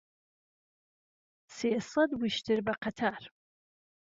سێ سەت وشتر به قهتار